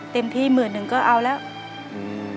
เต็มที่หมื่นหนึ่งก็เอาแล้ว